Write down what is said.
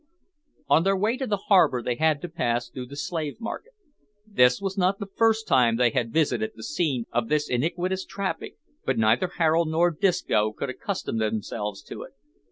On their way to the harbour they had to pass through the slave market. This was not the first time they had visited the scene of this iniquitous traffic, but neither Harold nor Disco could accustom themselves to it.